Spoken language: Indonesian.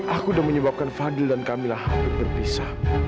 aku sudah menyebabkan fadil dan kamila hampir berpisah